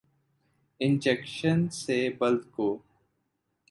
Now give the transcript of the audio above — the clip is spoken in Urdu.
انجکشن سے بلڈ کو